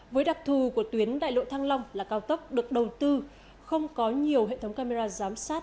với đặc thù của tuyến đại lộ thăng long là cao tốc được đầu tư không có nhiều hệ thống camera giám sát